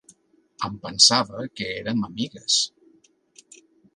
Em pensava que érem amigues.